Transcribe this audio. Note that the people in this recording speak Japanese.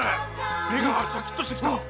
目がシャキッとしてきた。